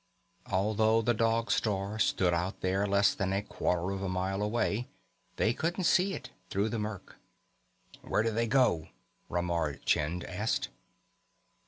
Although the Dog Star stood out there less than a quarter of a mile away, they couldn't see it through the murk. "Where did they go?" Ramar Chind asked.